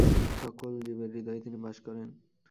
সকল জীবের হৃদয়ে তিনি বাস করেন।